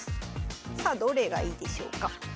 さあどれがいいでしょうか？